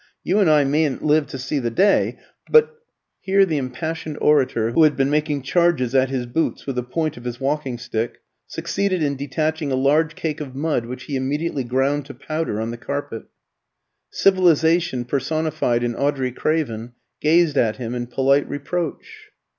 You and I mayn't live to see the day, but " Here the impassioned orator, who had been making charges at his boots with the point of his walking stick, succeeded in detaching a large cake of mud, which he immediately ground to powder on the carpet. Civilisation personified in Audrey Craven gazed at him in polite reproach.